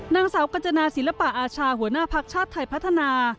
นางสาวกัญจนาศิลปะอาชาหัวหน้าภักดิ์ชาติไทยพัฒนา